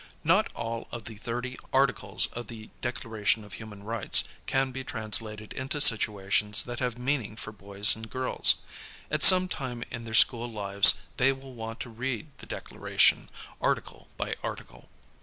8 HOW CHILDREN LEARN ABOUT HUMAN RIGHTS Not all of the 30 Articles of tho Declaration of Human Rights can be translated into situations that have meaning for boys and girls. At some time in their school lives they will want to read the Declaration, Article by Article.